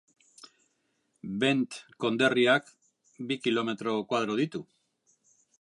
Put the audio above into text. Bent konderriak kilometro koadro ditu.